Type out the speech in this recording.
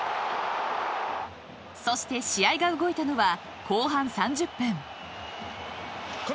そして試合が動いたのは後半３０分。